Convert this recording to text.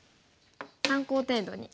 参考程度に。